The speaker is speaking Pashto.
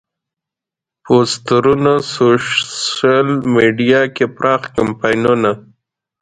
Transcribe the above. پوسترونه، سوشیل میډیا کې پراخ کمپاینونه.